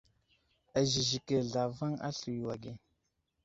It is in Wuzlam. Azəziki zlavaŋ aslər yo age.